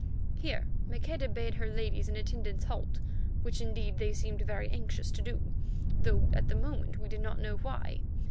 Here Maqueda bade her ladies and attendants halt, which indeed they seemed very anxious to do, though at the moment we did not know why.